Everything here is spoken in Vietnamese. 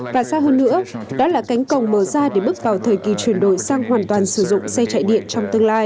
và xa hơn nữa đó là cánh cổng mở ra để bước vào thời kỳ chuyển đổi sang hoàn toàn sử dụng xe chạy điện trong tương lai